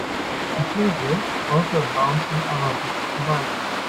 Inclusio also abounds in other books of the Bible.